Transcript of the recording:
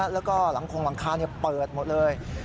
แล้วก็หลังคงหลังคาเปิดหมดเลย